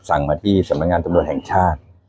สั่งมาที่สำนักงานตำรวจแห่งชาติ